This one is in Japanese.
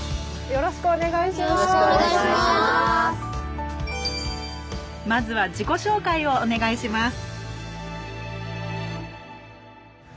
よろしくお願いします。